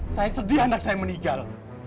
saya sedih anak saya meninggal